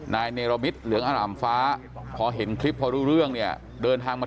นายเนรมิตเหลืองอร่ำฟ้าพอเห็นคลิปพอรู้เรื่องเนี่ยเดินทางมา